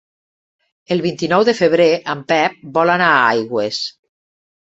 El vint-i-nou de febrer en Pep vol anar a Aigües.